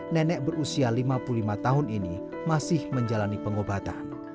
nenek berusia lima puluh lima tahun ini masih menjalani pengobatan